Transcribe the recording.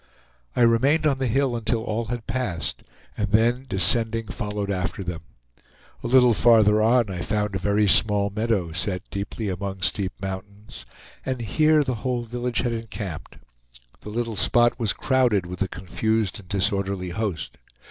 I remained on the hill until all had passed, and then, descending, followed after them. A little farther on I found a very small meadow, set deeply among steep mountains; and here the whole village had encamped. The little spot was crowded with the confused and disorderly host.